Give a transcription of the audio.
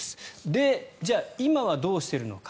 で、じゃあ今はどうしているのか。